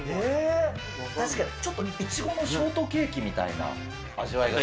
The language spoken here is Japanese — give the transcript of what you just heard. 確かにちょっとイチゴのショートケーキみたいな味わいが。